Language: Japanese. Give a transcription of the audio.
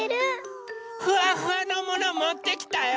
フワフワのものもってきたよ！